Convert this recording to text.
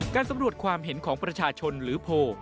การสำรวจความเห็นของประชาชนหรือโพล